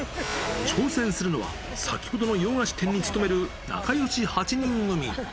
挑戦するのは、先ほどの洋菓子店に勤める仲よし８人組。